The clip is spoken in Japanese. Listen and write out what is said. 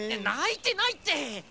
ないてないって！